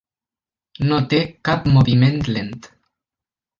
No té cap moviment lent.